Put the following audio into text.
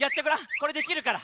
これできるから。